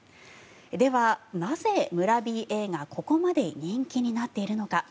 では、なぜ村ＢＡがここまで人気になっているのか。